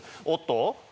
おっと？